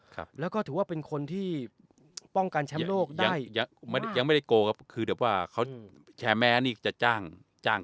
ครับแล้วก็ถือว่าเป็นคนที่ป้องกันแชมป์โลกยังไม่ยังไม่ได้โกงครับคือแบบว่าเขาแชร์แม้นี่จะจ้างจ้าง